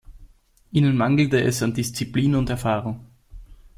Ihnen mangelte es an Disziplin und Erfahrung.